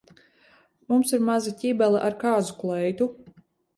Mums ir maza ķibele ar kāzu kleitu.